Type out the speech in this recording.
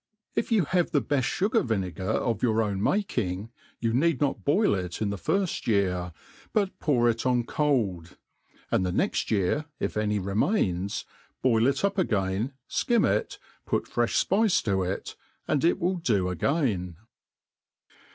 If you hive the beft fugar vinegait of your own making, you need not boil it the firft yeaf, but pour it on cold ; and the next year, if any remains, tK>il iC up agaiui ikim it^ put freih fpice to it, and it will do ^ain.